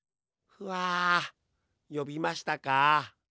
ふあよびましたか？